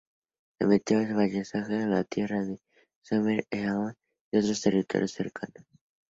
Sometió a vasallaje a las tierras de Sumer, Elam y otros territorios cercanos.